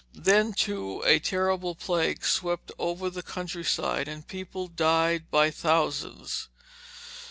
Then too a terrible plague swept over the countryside, and people died by thousands.